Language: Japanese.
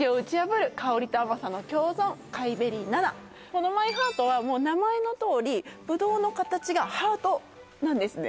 このマイハートはもう名前のとおりぶどうの形がハートなんですね